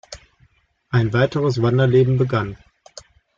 Ein weiteres Wanderleben begann.